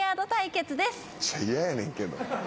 めっちゃ嫌やねんけど。